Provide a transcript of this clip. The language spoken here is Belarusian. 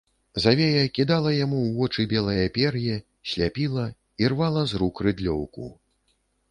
Завея кідала яму ў вочы белае пер'е, сляпіла, ірвала з рук рыдлёўку.